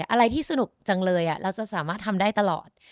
อะไรที่สนุกจังเลยเราจะสามารถทำได้ตลอด